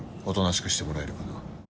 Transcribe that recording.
おとなしくしてもらえるかな。